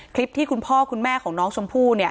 คลิปที่คุณพ่อคุณแม่ของน้องชมพู่